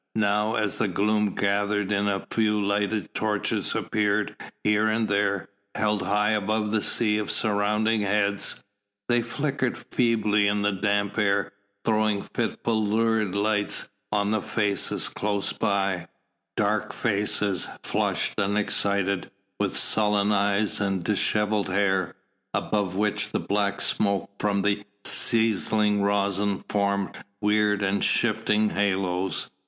Now as the gloom gathered in a few lighted torches appeared here and there, held high above the sea of surrounding heads; they flickered feebly in the damp air, throwing fitful lurid lights on the faces close by: dark faces, flushed and excited, with sullen eyes and dishevelled hair, above which the black smoke from the sizzling resin formed weird and shifting haloes.